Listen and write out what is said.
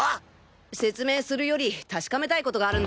説明するより確かめたいことがあるんだ。